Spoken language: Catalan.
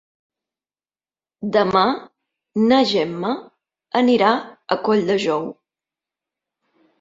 Demà na Gemma anirà a Colldejou.